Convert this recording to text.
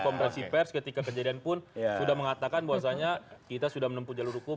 konferensi pers ketika kejadian pun sudah mengatakan bahwasannya kita sudah menempuh jalur hukum